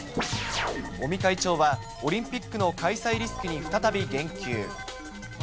尾身会長は、オリンピックの開催リスクに再び言及。